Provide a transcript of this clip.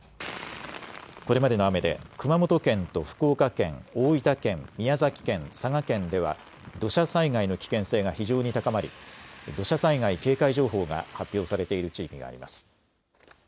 これまでの雨で熊本県と福岡県、大分県、宮崎県、佐賀県では土砂災害の危険性が非常に高まり土砂災害警戒情報が発表されている地域があります。